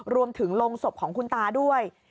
รวมถึงโรงศพของคุณตาด้วย